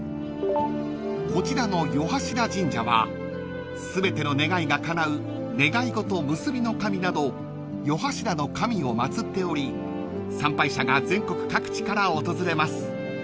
［こちらの四柱神社は全ての願いがかなう願い事むすびの神など四柱の神を祭っており参拝者が全国各地から訪れます］